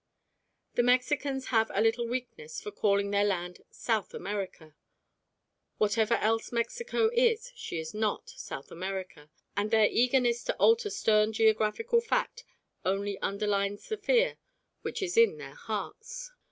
The Mexicans have a little weakness for calling their land South America. Whatever else Mexico is she is not South America, and their eagerness to alter stern geographical fact only underlines the fear which is in their hearts.